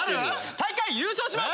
大会優勝します！